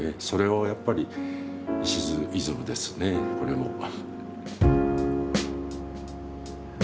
それをやっぱり石津イズムですねこれも。